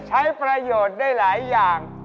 ใช้ประโยชน์ได้หลายอย่าง